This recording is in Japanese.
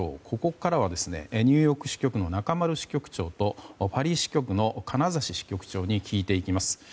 ここからはニューヨーク支局の中丸支局長とパリ支局の金指支局長に聞いていきます。